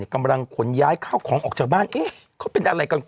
กำลังขนย้ายข้าวของออกจากบ้านเอ๊ะเขาเป็นอะไรกัน